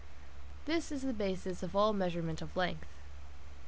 This is the basis of all measurement of length.